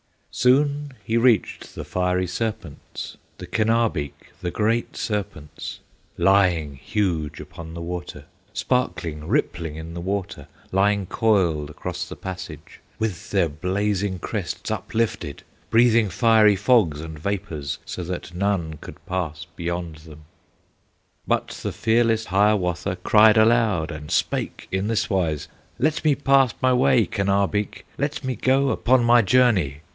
Soon he reached the fiery serpents, The Kenabeek, the great serpents, Lying huge upon the water, Sparkling, rippling in the water, Lying coiled across the passage, With their blazing crests uplifted, Breathing fiery fogs and vapors, So that none could pass beyond them. But the fearless Hiawatha Cried aloud, and spake in this wise, "Let me pass my way, Kenabeek, Let me go upon my journey!"